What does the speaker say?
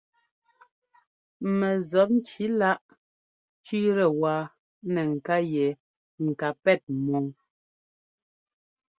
Mɛ zɔpŋki láꞌ kẅíitɛ wáa nɛ ŋká yɛ ŋ ká pɛ́t mɔ́ɔ.